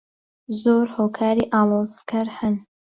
زۆر هۆکاری ئاڵۆزکەر هەن.